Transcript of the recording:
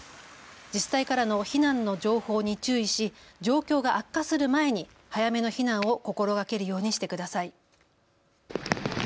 自治体からの避難の情報に注意し状況が悪化する前に早めの避難を心がけるようにしてください。